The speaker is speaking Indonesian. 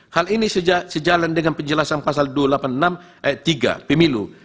hal ini sejalan dengan penjelasan pasal dua ratus delapan puluh enam ayat tiga pemilu